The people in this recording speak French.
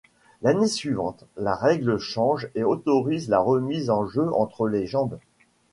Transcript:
L'année suivante, la règle change et autorise la remise en jeu entre les jambes.